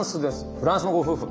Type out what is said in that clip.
フランスのご夫婦。